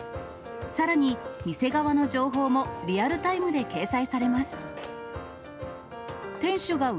さらに店側の情報も、リアルタイムで掲載されます。